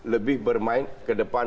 lebih bermain ke depan